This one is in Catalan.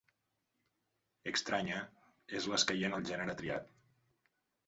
"extraña" és l'escaient al gènere triat.